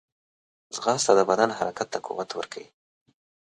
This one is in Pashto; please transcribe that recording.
ځغاسته د بدن حرکت ته قوت ورکوي